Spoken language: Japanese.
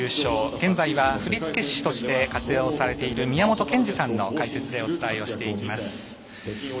現在は振付師と活動をされている宮本賢二さんの解説でお伝えをしていきます。